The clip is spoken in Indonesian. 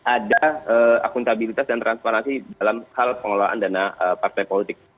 ada akuntabilitas dan transparansi dalam hal pengelolaan dana partai politik